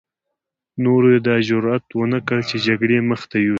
نورو يې دا جرعت ونه کړ چې جګړې مخته يوسي.